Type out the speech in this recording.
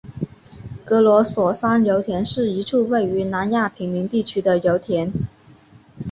格罗索山油田是一处位于南亚平宁地区的油田。